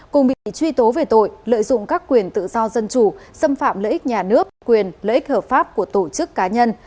cùng bị truy tố về tội lợi dụng các quyền tự do dân chủ xâm phạm lợi ích nhà nước quyền lợi ích hợp pháp của tổ chức cá nhân